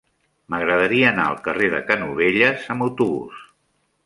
M'agradaria anar al carrer de Canovelles amb autobús.